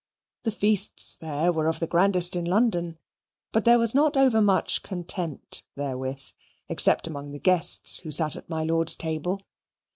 The feasts there were of the grandest in London, but there was not overmuch content therewith, except among the guests who sat at my lord's table.